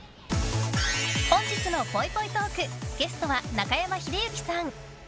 本日のぽいぽいトークゲストは中山秀征さん！